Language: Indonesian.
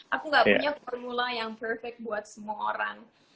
aku gak punya formula yang perfect buat semua orang